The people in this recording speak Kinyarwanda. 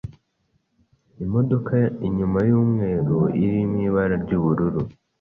imodoka inyuma y’umweru iri mw’ibara ry’ubururu